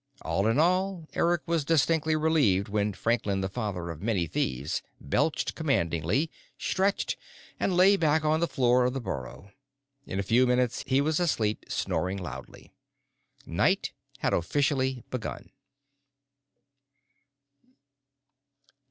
All in all, Eric was distinctly relieved when Franklin the Father of Many Thieves belched commandingly, stretched, and lay back on the floor of the burrow. In a few minutes, he was asleep, snoring loudly. Night had officially begun.